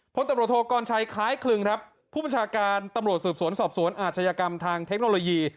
พลตำรวจโทกรชัยคล้ายคลึงครับผู้บัญชาการตำรวจสืบสวนสอบสวนอาชญากรรมทางเทคโนโลยี